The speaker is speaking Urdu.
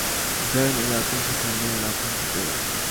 گرم علاقوں سے ٹھنڈے علاقوں کی طرف